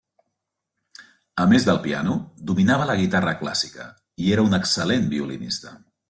A més del piano, dominava la guitarra clàssica i era un excel·lent violinista.